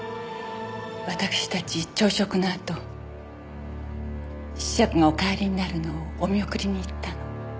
わたくしたち朝食のあと子爵がお帰りになるのをお見送りに行ったの。